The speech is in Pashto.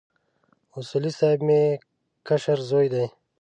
اصولي صیب مې کشر زوی دی.